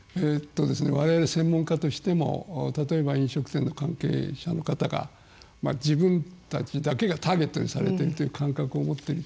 我々、専門家としても例えば飲食店の関係者の方が自分たちだけがターゲットにされてという感覚を持っていて。